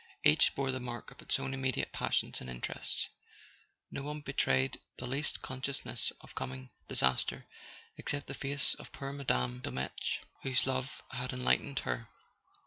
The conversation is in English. Each bore the mark of its own immediate passions and interests; not one betrayed the least consciousness of coming disaster except the face of poor Madame de Dolmetsch, whose love had enlightened her.